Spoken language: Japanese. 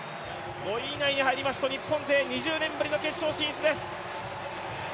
５位以内に入りますと日本勢２０年ぶりの決勝進出です。